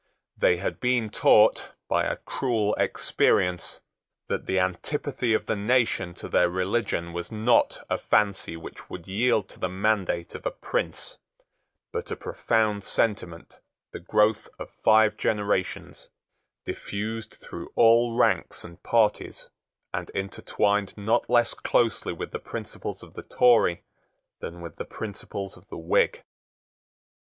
They had been taught, by a cruel experience, that the antipathy of the nation to their religion was not a fancy which would yield to the mandate of a prince, but a profound sentiment, the growth of five generations, diffused through all ranks and parties, and intertwined not less closely with the principles of the Tory than with the principles of the Whig.